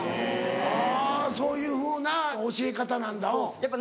あぁそういうふうな教え方なんだうん。